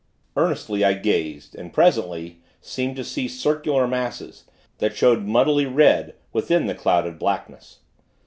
Earnestly, I gazed, and, presently, seemed to see circular masses, that showed muddily red, within the clouded blackness.